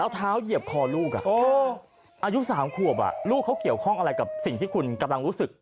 เอาเท้าเหยียบคอลูกอายุ๓ขวบลูกเขาเกี่ยวข้องอะไรกับสิ่งที่คุณกำลังรู้สึก